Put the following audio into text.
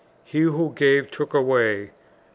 He who gave took away. Dr.